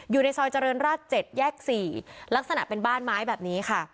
อยู่ในซอยเจริญราช๗แยก๔ลักษณะเป็นบ้านไม้แบบนี้ค่ะ